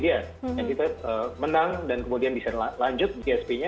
iya kita menang dan kemudian bisa lanjut gsp nya